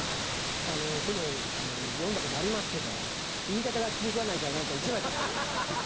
あのそういうの読んだことありますけど言い方が気に食わないから１枚取って。